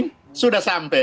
yang penting sudah sampai